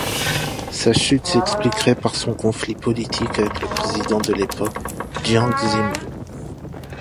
Sa chute s'expliquerait par son conflit politique avec le président de l'époque Jiang Zemin.